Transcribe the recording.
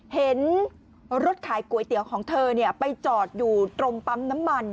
เห็นรถขายก๋วยเตี๋ยวของเธอไปจอดอยู่ตรงปั๊มน้ำมัน